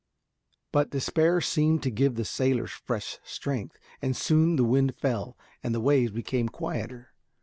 But despair seemed to give the sailors fresh strength, and soon the wind fell and the waves became quieter.